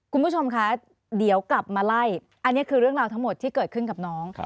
คุณผู้ชมคะเดี๋ยวกลับมาไล่อันนี้คือเรื่องราวทั้งหมดที่เกิดขึ้นกับน้อง